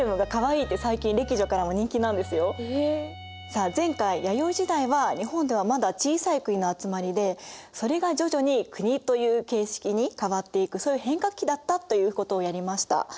さあ前回弥生時代は日本ではまだ小さい国の集まりでそれが徐々に国という形式に変わっていくそういう変化期だったということをやりました。